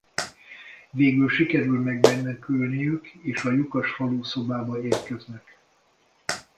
Végül sikerül megmenekülniük és a lyukas falú szobába érkeznek.